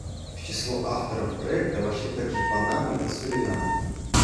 В число авторов проекта вошли также Панама и Суринам.